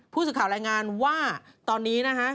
ผู้สื่อข่าวรายงานว่าตอนนี้นะฮะ